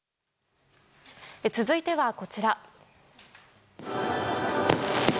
続いては、こちら。